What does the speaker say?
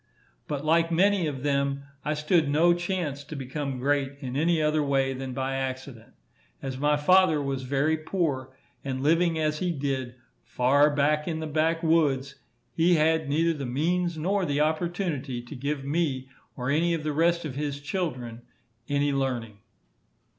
But, like many of them, I stood no chance to become great in any other way than by accident. As my father was very poor, and living as he did far back in the back woods, he had neither the means nor the opportunity to give me, or any of the rest of his children, any learning.